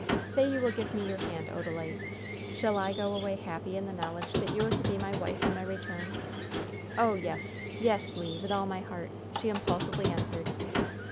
Say you will give me your hand, Odalite! Shall I go away happy in the knowledge that you are to be my wife on my return?" "Oh, yes! Yes, Le! With all my heart!" she impulsively answered.